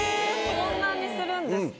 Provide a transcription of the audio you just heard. そんなにするんですか。